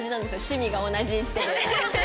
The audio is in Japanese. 趣味が同じっていう。